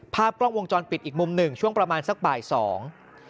ภาพกล้องวงจรปิดอีกมุมหนึ่งช่วงประมาณสักบ่ายสอง